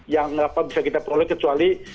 yang bisa kita peroleh kecuali